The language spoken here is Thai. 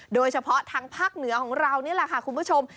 โดยเฉพาะทางภาคเหนือของเรานี่แหละค่ะคุณผู้ชม